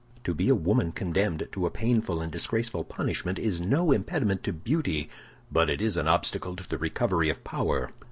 To be a woman condemned to a painful and disgraceful punishment is no impediment to beauty, but it is an obstacle to the recovery of power.